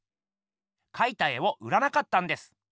かいた絵を売らなかったんです。